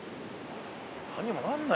何にもなんないっしょ。